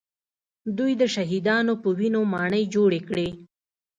دوی د شهیدانو په وینو ماڼۍ جوړې کړې